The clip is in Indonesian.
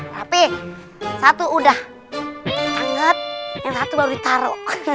tapi satu udah anget yang satu baru ditaro